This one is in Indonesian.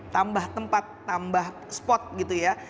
tambah tempat tambah spot gitu ya